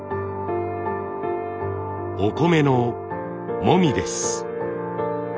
お米のもみです。